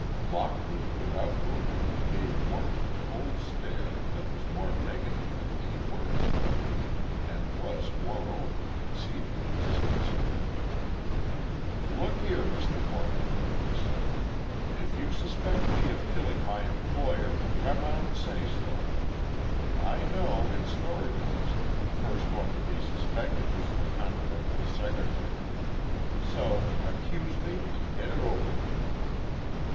Lockwood, without moving, gave Morton a cold stare that was more negative than any words could be, and was, moreover, exceedingly disconcerting. "Look here, Mr. Morton," he said, "if you suspect me of killing my employer, come out and say so. I know, in story books, the first one to be suspected is the confidential secretary. So, accuse me, and get it over with."